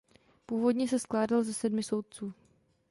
Původně se skládal ze sedmi soudců.